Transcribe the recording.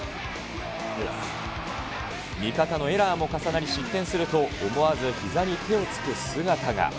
味方のエラーも重なり失点すると、思わずひざに手をつく姿が。